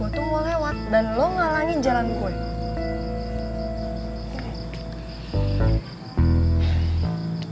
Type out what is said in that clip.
gue tuh mau lewat dan lo ngalangin jalanku ya